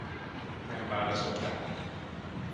Nem válaszoltál.